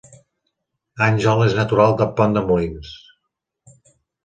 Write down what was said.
Àngel és natural de Pont de Molins